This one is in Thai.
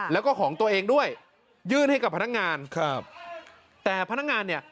แล้วก็ของตัวเองด้วยยื่นให้กับพนักงานครับแต่พนักงานเนี่ย